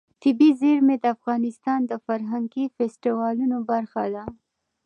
طبیعي زیرمې د افغانستان د فرهنګي فستیوالونو برخه ده.